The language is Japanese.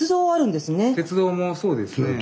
鉄道もそうですね。